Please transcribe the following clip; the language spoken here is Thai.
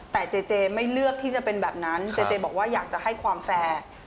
แต่เจเจไม่เลือกที่จะเป็นแบบนั้นเจเจบอกว่าอยากจะให้ความแฟร์